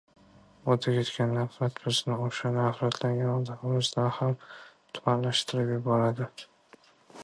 O‘taketgan nafrat bizni o‘sha nafratlagan odamimizdan ham tubanlashtirib yuboradi.